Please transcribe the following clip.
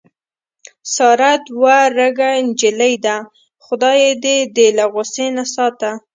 ساره دوه رګه نجیلۍ ده. خدای یې دې له غوسې نه ساته.